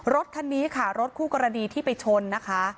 รถคันนี้ค่ะรถคู่กรณีที่ไปชนนะคะ